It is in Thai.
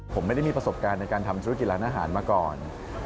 ผมไม่ได้มีประสบการณ์ในการทำธุรกิจร้านอาหารมาก่อน